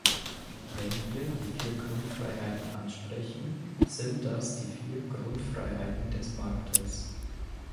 Wenn wir die vier Grundfreiheiten ansprechen, sind das die vier Grundfreiheiten des Marktes.